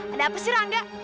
ada apa sih rangga